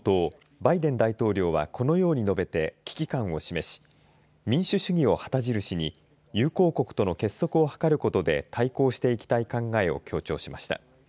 バイデン大統領はこのように述べて危機感を示し民主主義を旗印に友好国との結束を図ることで対抗していきたい考えを強調しました。